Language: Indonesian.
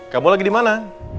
kamu lagi dimana